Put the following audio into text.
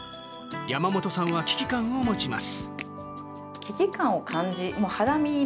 山本さんは危機感を持ちます。